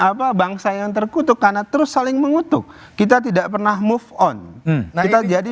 apa bangsa yang terkutuk karena terus saling mengutuk kita tidak pernah move on kita jadi